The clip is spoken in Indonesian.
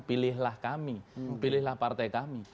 pilihlah kami pilihlah partai kami